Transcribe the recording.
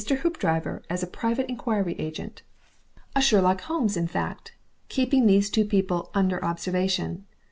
Hoopdriver as a Private Inquiry Agent, a Sherlock Holmes in fact, keeping these two people 'under observation.